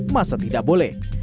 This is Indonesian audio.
masa tidak boleh